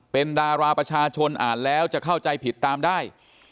เป็นดาราประชาชนอ่านแล้วจะเข้าใจผิดตามได้